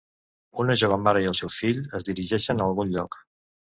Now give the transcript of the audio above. Una jove mare i el seu fill es dirigeixen a algun lloc